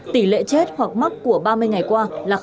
tỷ lệ chết hoặc mắc của ba mươi ngày qua là sáu